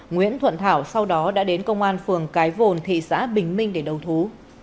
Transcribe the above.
nguyễn thuận thảo sau đó đã đến công an phường cái vồn thị xã bình minh để đầu thú